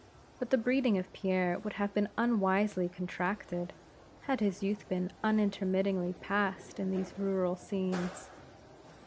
But the breeding of Pierre would have been unwisely contracted, had his youth been unintermittingly passed in these rural scenes.